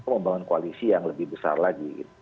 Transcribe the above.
membangun koalisi yang lebih besar lagi